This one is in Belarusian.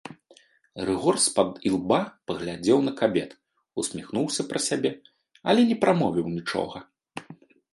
Рыгор з-пад ілба паглядзеў на кабет, усміхнуўся пра сябе, але не прамовіў нічога.